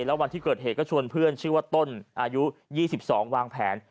แล้ววันที่เกิดเหตุก็ชวนเพื่อนชื่อว่าต้นอายุ๒๒วางแผน